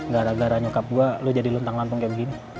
gara gara nyokap gue lo jadi luntang lampung kayak begini